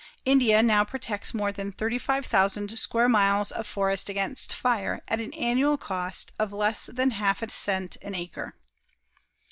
India now protects more than 35,000 square miles of forest against fire at an annual cost of less than half a cent an acre.